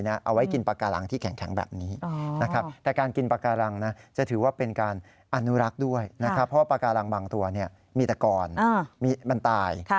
อนุรักษ์ด้วยเพราะว่าปาการังบางตัวมีตะกอนมีบรรตาย